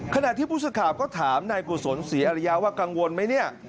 ขนาดที่บุษขาบก็ถามนายกุศลศรีอริยะว่ากังวลไหมเนี่ย